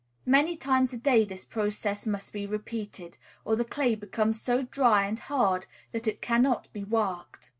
Many times a day this process must be repeated, or the clay becomes so dry and hard that it cannot be worked.